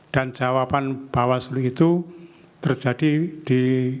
dan jawaban bawaslu itu terjadi di